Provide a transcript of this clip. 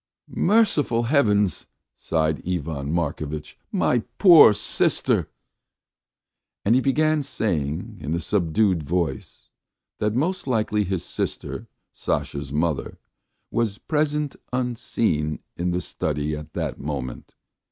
"Merciful Heavens!" sighed Ivan Markovitch. "My poor sister!" And he began saying in a subdued voice that most likely his sister, Sasha's mother, was present unseen in the study at that moment.